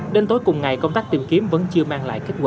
đến tối cùng ngày công tác tìm kiếm vẫn chưa mang lại kết quả